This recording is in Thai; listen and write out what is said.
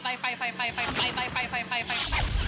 ให้คะแนนเท่าไหร่คะยายา